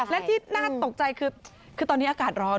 และที่น่าตกใจคือตอนนี้อากาศร้อน